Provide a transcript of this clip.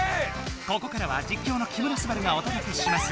ここからは実況の木村昴がおとどけします！